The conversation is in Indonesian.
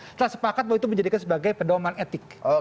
setelah sepakat bahwa itu dijadikan sebagai pedoman etik